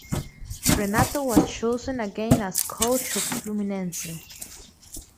Renato was chosen again as coach of Fluminense.